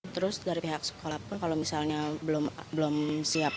terus dari pihak sekolah pun kalau misalnya belum siap